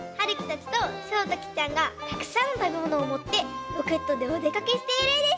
ちゃんがたくさんのたべものをもってロケットでおでかけしているえです。